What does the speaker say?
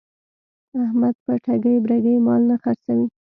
احمد په ټګۍ برگۍ مال نه خرڅوي.